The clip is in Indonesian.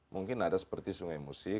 mungkin ada seperti sungai musi